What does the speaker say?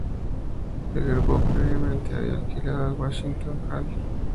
El grupo previamente había alquilado el Washington Hall en West Main Street.